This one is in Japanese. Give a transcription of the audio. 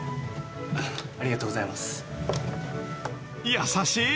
［優しい！